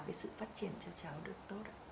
với sự phát triển cho cháu được tốt